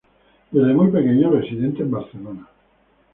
Desde muy pequeño residente en Barcelona.